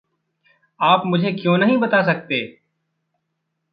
आप मुझे क्यों नहीं बता सकते?